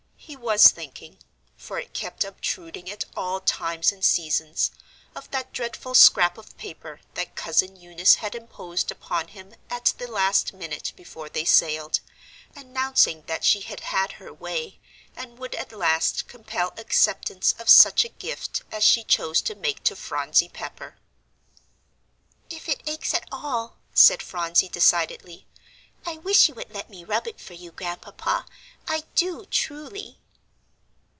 He was thinking for it kept obtruding at all times and seasons of that dreadful scrap of paper that Cousin Eunice had imposed upon him at the last minute before they sailed, announcing that she had had her way, and would at last compel acceptance of such a gift as she chose to make to Phronsie Pepper. "If it aches at all," said Phronsie, decidedly, "I wish you would let me rub it for you, Grandpapa. I do, truly."